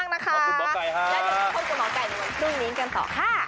แล้วเจอกันกับหมอไก่ในวันพรุ่งนี้กันต่อค่ะ